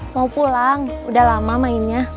mau pulang udah lama mainnya